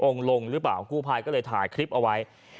ลงหรือเปล่ากู้ภัยก็เลยถ่ายคลิปเอาไว้